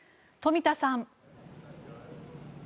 冨田さん。